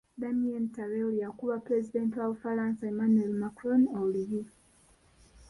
Damien Tarel yakuba Pulezidenti wa Bufalansa Emmanuel Macron oluyi.